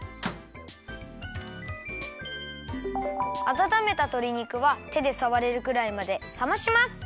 あたためたとり肉はてでさわれるくらいまでさまします。